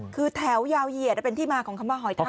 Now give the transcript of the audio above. คือแถวยาวเหยียดเป็นที่มาของคำว่าหอยทา